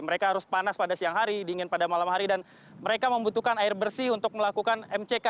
mereka harus panas pada siang hari dingin pada malam hari dan mereka membutuhkan air bersih untuk melakukan mck